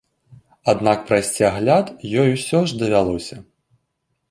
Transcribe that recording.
Аднак прайсці агляд ёй усё ж давялося.